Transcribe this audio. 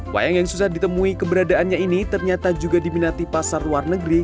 wayang yang susah ditemui keberadaannya ini ternyata juga diminati pasar luar negeri